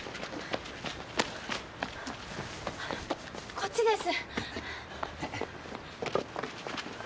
こっちです！